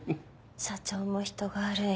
社長も人が悪い。